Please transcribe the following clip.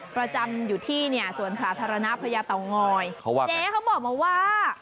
ประจำอยู่ที่เนี่ยสวัสดิ์คลาธารณภัยตาวง่อยเจ๊เขาบอกมาว่า